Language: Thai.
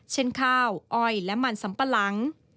เช่นข้าวอ้อยและมันสำปะหลัง